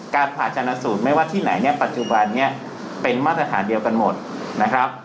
การผ่าชนะสูตรไม่ว่าที่ไหนเนี่ยปัจจุบันนี้เป็นมาตรฐานเดียวกันหมดนะครับ